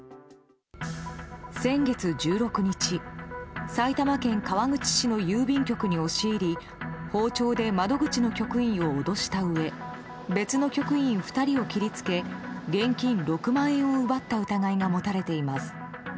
先月１６日、埼玉県川口市の郵便局に押し入り包丁で窓口の局員を脅したうえ別の局員２人を切りつけ現金６万円を奪った疑いが持たれています。